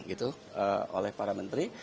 itu oleh para menteri